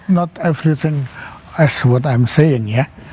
itu bukan semuanya yang saya katakan ya